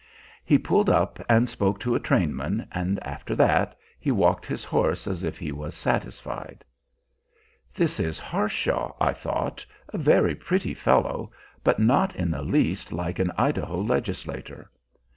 He pulled up and spoke to a trainman, and after that he walked his horse as if he was satisfied. This is Harshaw, I thought, and a very pretty fellow, but not in the least like an Idaho legislator.